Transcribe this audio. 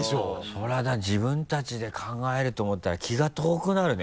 それはだって自分たちで考えると思ったら気が遠くなるね